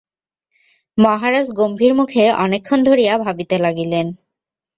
মহারাজ গম্ভীরমুখে অনেক ক্ষণ ধরিয়া ভাবিতে লাগিলেন।